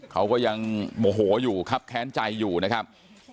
เขาก็ยังโมโหอยู่ครับแค้นใจอยู่นะครับ